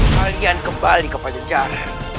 kalian kembali ke panjar